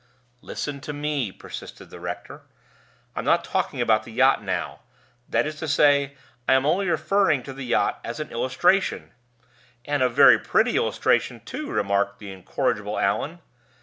"Listen to me," persisted the rector. "I'm not talking about the yacht now; that is to say, I am only referring to the yacht as an illustration " "And a very pretty illustration, too," remarked the incorrigible Allan.